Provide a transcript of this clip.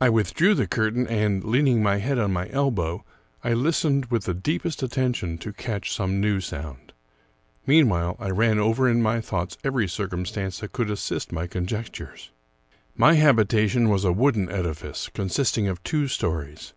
I withdrew the curtain, and, leaning my head on my elbow, I listened with the deepest attention to catch some new sound. Meanwhile, I ran over in my thoughts every circumstance that could assist my conjectures. My habitation was a wooden edifice, consisting of two stories.